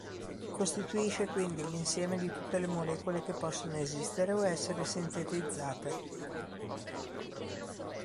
Costituisce quindi l'insieme di tutte le molecole che possono esistere o essere sintetizzate.